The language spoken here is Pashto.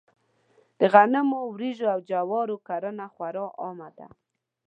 د غنمو، وريجو او جوارو کرنه خورا عامه ده.